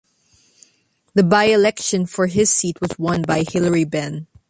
The by-election for his seat was won by Hilary Benn.